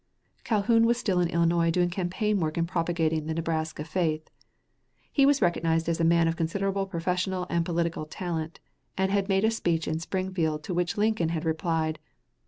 Calhoun was still in Illinois doing campaign work in propagating the Nebraska faith. He was recognized as a man of considerable professional and political talent, and had made a speech in Springfield to which Lincoln had replied.